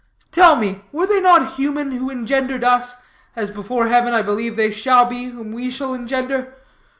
Tell me, were they not human who engendered us, as before heaven I believe they shall be whom we shall engender?